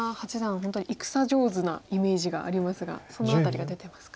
本当に戦上手なイメージがありますがその辺りが出てますか。